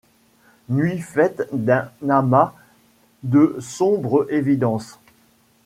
Nuit faite d’un amas de sombres évidences